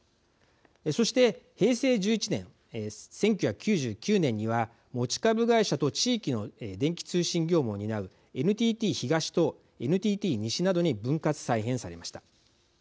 そして、平成１１年１９９９年には持ち株会社と地域の電気通信業務を担うＮＴＴ東とＮＴＴ西などに分割、再編されました。